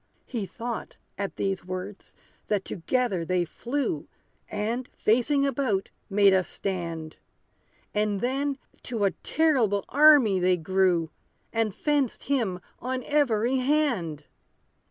He thought, at these words, that together they flew, And, facing about, made a stand; And then, to a terrible army they grew, And fenced him on every hand.